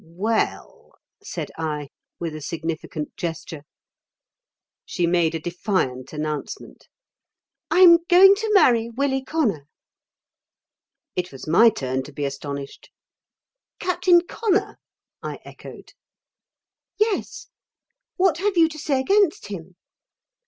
"Well " said I, with a significant gesture. She made a defiant announcement: "I am going to marry Willie Connor." It was my turn to be astonished. "Captain Connor?" I echoed. "Yes. What have you to say against him?"